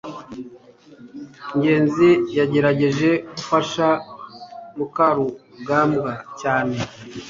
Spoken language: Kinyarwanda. ngenzi yagerageje gufasha mukarugambwa cyane